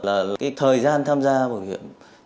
là thời gian tham gia bảo hiểm